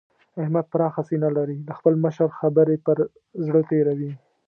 احمد پراخه سينه لري؛ د خپل مشر خبرې پر زړه تېروي.